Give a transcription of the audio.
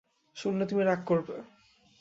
শুনলে তুমি রাগ করবে।